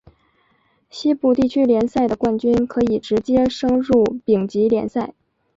西部地区联赛的冠军可以直接升入丙级联赛。